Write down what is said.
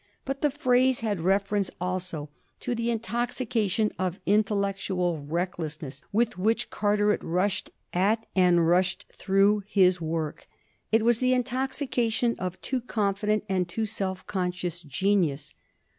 But the phrase had reference also to the intoxication of intellectual recklessness with which Carteret rushed at and rushed through his work. It was the intoxication of too confident and too self conscious genius.